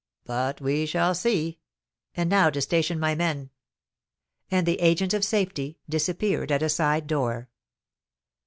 But we shall see. And now to station my men." And the agent of safety disappeared at a side door.